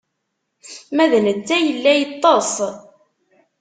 Ma d netta yella yeṭṭeṣ.